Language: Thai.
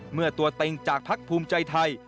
เมื่อตัวเต็งจากพักภูมิไยไทย